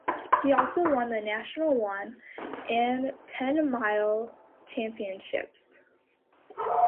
He also won the national one and ten mile championships.